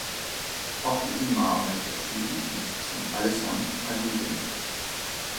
Auch die Imame der Schiiten sind allesamt Aliden.